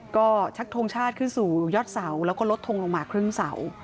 ก็ชักทงชาติขึ้นสู่ยอดเสาแล้วก็ลดทงลงมาครึ่งเสา